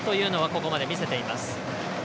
ここまで見せています。